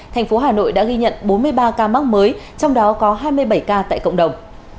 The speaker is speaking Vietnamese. thành phố hà nội đã ghi nhận bốn mươi ba ca mắc mới trong đó có hai mươi bảy ca tại cộng đồng